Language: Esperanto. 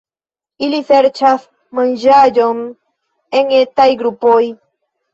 Ili serĉas manĝaĵon en etaj grupoj.